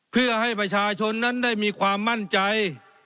เพื่อให้ประชาชนนั้นได้มีความมั่นใจ